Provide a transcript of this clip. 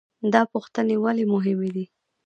دا پوښتنې ولې مهمې دي؟